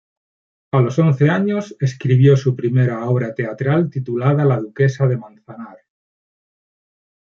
A los once años escribió su primera obra teatral titulada "La Duquesa de Manzanar".